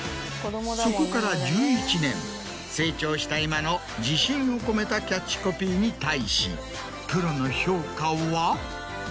そこから１１年成長した今の自信を込めたキャッチコピーに対しプロの評価は。